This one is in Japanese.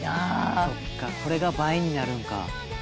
そっかこれが映えになるのか。